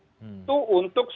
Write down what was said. itu untuk sekolah